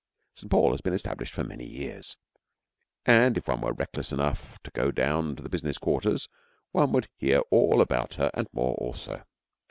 St. Paul has been established many years, and if one were reckless enough to go down to the business quarters one would hear all about her and more also.